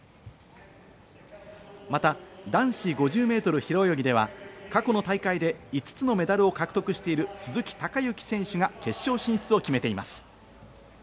また男子５０ｍ平泳ぎでは過去の大会で５つのメダルを獲得している鈴木孝幸選手が決勝進出を決めています。